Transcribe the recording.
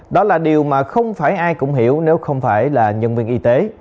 đó là điều mà không phải ai cũng hiểu nếu không phải là nhân viên y tế